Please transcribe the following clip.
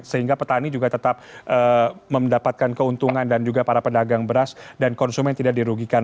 sehingga petani juga tetap mendapatkan keuntungan dan juga para pedagang beras dan konsumen tidak dirugikan